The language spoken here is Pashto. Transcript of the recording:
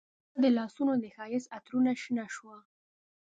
ستا د لاسونو د ښایست عطرونه شنه شوه